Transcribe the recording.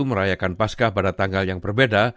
merayakan paskah pada tanggal yang berbeda